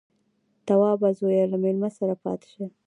_توابه زويه، له مېلمه سره پاتې شه.